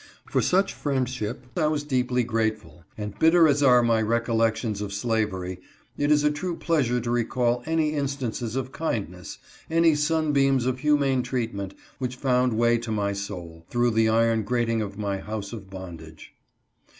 For such friendship I was deeply grateful, and bitter as are my recollections of slavery, it is a true pleasure to recall any instances of kindness, any sunbeams of humane treatment, which found way to my soul, through the iron grating of my house of bondage.